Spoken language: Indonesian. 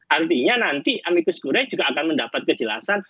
artinya nanti amikus goreng juga akan mendapat kejelasan